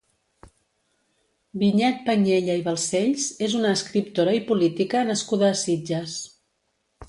Vinyet Panyella i Balcells és una escriptora i política nascuda a Sitges.